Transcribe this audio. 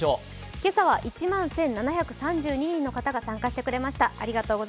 今朝は１万１７３２人の方が参加してくれました。